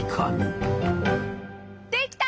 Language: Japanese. できた！